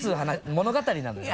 物語なのよ。